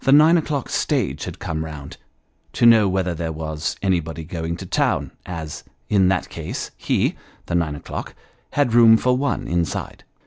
nine o'clock stage had come round, to know whether there was anybody going to town, as, in that case, he (the nine o'clock) had room for one inside.